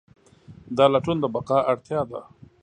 دا لټون د بقا اړتیا ده.